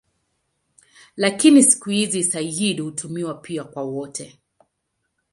Lakini siku hizi "sayyid" hutumiwa pia kwa wote.